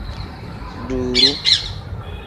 Duuru.